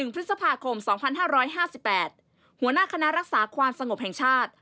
พฤษภาคม๒๕๕๘หัวหน้าคณะรักษาความสงบแห่งชาติ